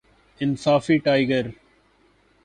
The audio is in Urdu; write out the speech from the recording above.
انصافی ٹائگر